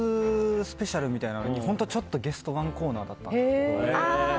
スペシャルみたいなのにちょっとゲスト１コーナーだったんです。